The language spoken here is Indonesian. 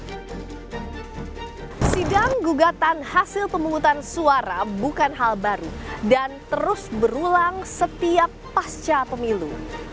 sidang gugatan hasil pemungutan suara bukan hal baru dan terus berulang setiap pasca pemilu